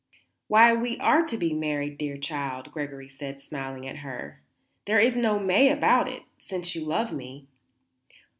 "Why, we are to be married, dear child," Gregory said, smiling at her. "There is no 'may' about it, since you love me."